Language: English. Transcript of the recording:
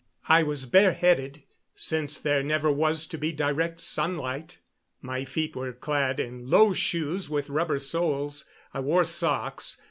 I was bareheaded, since there never was to be direct sunlight. My feet were clad in low shoes with rubber soles. I wore socks.